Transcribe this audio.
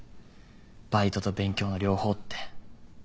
バイトと勉強の両方って。